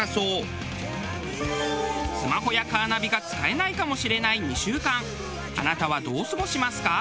スマホやカーナビが使えないかもしれない２週間あなたはどう過ごしますか？